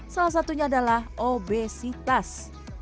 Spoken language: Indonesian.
salah satunya adalah obesitas